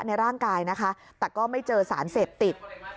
ในร่างกายนะคะแต่ก็ไม่เจอสารเสพติด